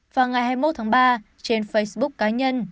vào ngày hai mươi một tháng ba trên facebook cá nhân